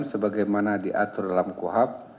sebagaimana diatur dalam kuhap